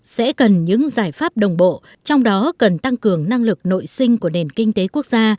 sẽ cần những giải pháp đồng bộ trong đó cần tăng cường năng lực nội sinh của nền kinh tế quốc gia